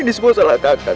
ini semua salah kakak